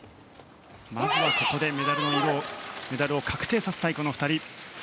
まずはここでメダルを確定させたいこの２人。